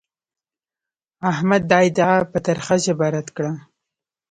احمد دا ادعا په ترخه ژبه رد کړه.